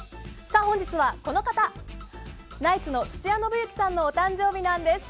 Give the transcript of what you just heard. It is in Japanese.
さあ、本日はこの方ナイツの土屋伸之さんのお誕生日なんです。